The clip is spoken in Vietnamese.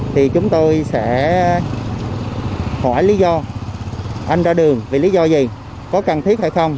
thì chúng tôi sẽ hỏi lý do anh ra đường vì lý do gì có cần thiết hay không